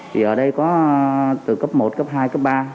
thì ở đây có từ cấp một cấp hai cấp ba